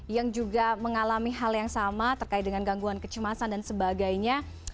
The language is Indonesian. yang juga mengalami hal yang sama terkait dengan gangguan kecemasan dan sebagainya